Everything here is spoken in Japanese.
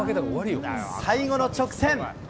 最後の直線。